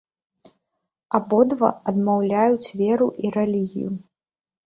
Абодва адмаўляюць веру і рэлігію.